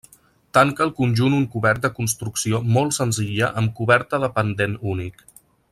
Tanca el conjunt un cobert de construcció molt senzilla amb coberta de pendent únic.